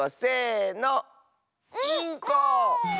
インコ！